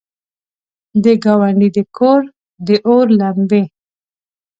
د ګاونډي د کور، داور لمبې!